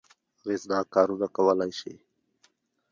اغېزناک کارونه کولای شي.